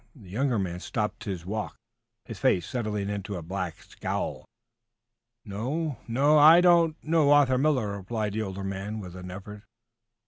The younger man stopped his walk, his face settling into a black scowl. "No o; I don't know Arthur Miller," replied the older man; with an effort.